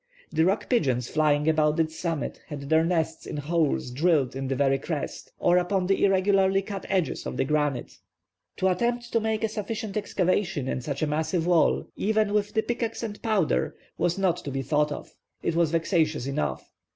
The rock pigeons flying about its summit had their nests in holes drilled in the very crest, or upon the irregularly cut edge of the granite. To attempt to make a sufficient excavation in such a massive wall even with pickaxe and powder was not to be thought of. It was vexatious enough.